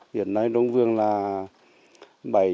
hiện nay đông vương là bảy hai trăm tám mươi cây